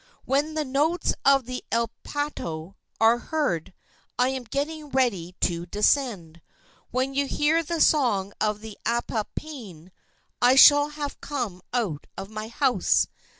When the notes of the elepaio are heard I am getting ready to descend. When you hear the song of the apapane I shall have come out of my house.